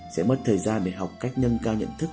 sẽ mất thời gian để học cách nâng cao nhận thức